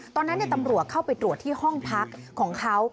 ตอนนั้นตำรวจเข้าไปตรวจที่ห้องพักของเขา